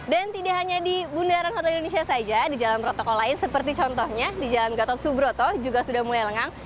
dan tidak hanya di bundaran hota indonesia saja di jalan protokol lain seperti contohnya di jalan gatot subroto juga sudah mulai lengang